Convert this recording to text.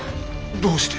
どうして？